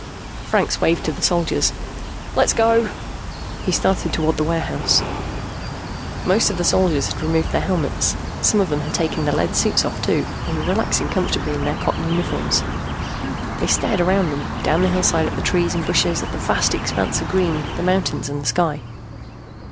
Franks waved to the soldiers. "Let's go." He started toward the warehouse. Most of the soldiers had removed their helmets. Some of them had taken their lead suits off, too, and were relaxing comfortably in their cotton uniforms. They stared around them, down the hillside at the trees and bushes, the vast expanse of green, the mountains and the sky.